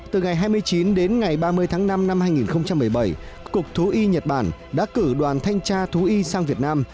từ ngày hai mươi chín đến ngày ba mươi tháng năm năm hai nghìn một mươi bảy cục thú y nhật bản đã cử đoàn thanh tra thú y sang việt nam